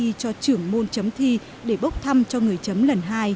tổ chấm thi cho trưởng môn chấm thi để bốc thăm cho người chấm lần hai